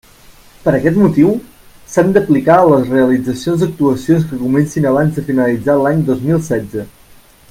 Per aquest motiu, s'han d'aplicar a la realització d'actuacions que comencin abans de finalitzar l'any dos mil setze.